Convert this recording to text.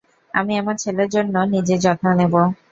আমি আমার ছেলের জন্য নিজের যত্ন নেব।